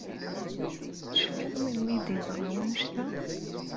Tecfiḍ melmi i d-yeḍṛa wannect-a?